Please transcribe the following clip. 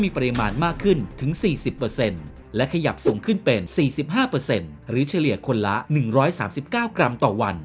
มีปริมาณมากขึ้นถึง๔๐และขยับสูงขึ้นเป็น๔๕หรือเฉลี่ยคนละ๑๓๙กรัมต่อวัน